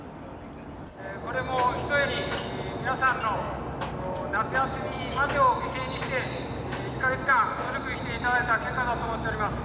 これもひとえに皆さんの夏休みまでを犠牲にして１か月間努力していただいた結果だと思っております。